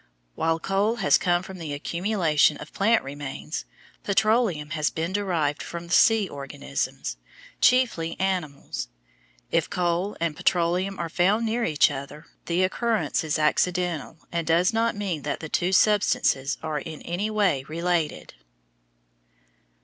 While coal has come from the accumulation of plant remains, petroleum has been derived from sea organisms, chiefly animals. If coal and petroleum are found near each other, the occurrence is accidental and does not mean that the two substances are in any way related.